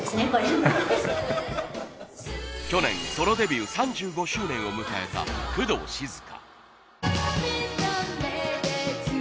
去年ソロデビュー３５周年を迎えた工藤静香。